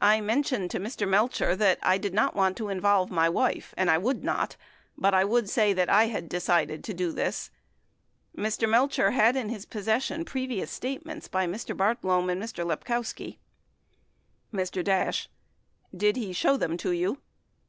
I mentioned to Mr. Melcher that I did not want to involve my wife and w T ould not, but I would say that I had decided to do this. Mr. Melcher had in his possession previous statements by Mr. Bartlome and Mr. Lepkowski. 27 %^* Mr. Dash. Did he show them to you